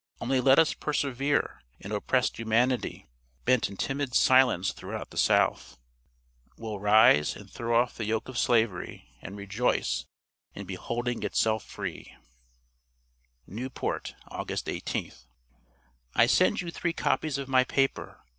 Only let us persevere, and oppressed humanity, bent in timid silence throughout the south, will rise and throw off the yoke of Slavery and rejoice in beholding itself free!" "NEWPORT, August 18. "I send you three copies of my paper.